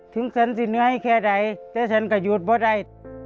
ถึงฉันที่เหนือให้แค่ใดแต่ฉันก็หยุดไม่ได้